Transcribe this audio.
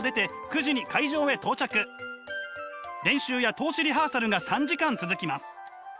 練習や通しリハーサルが３時間続きます。